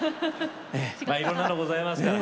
まあいろんなのございますから。